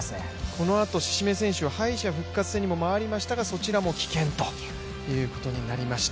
このあと志々目選手は敗者復活戦に回りましたが棄権ということになりました。